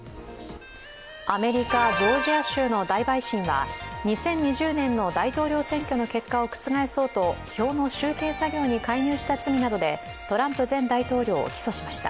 アメリカ・ジョージア州の大陪審は２０２０年の大統領選挙の結果を覆そうと票の集計作業に介入した罪などでトランプ前大統領を起訴しました。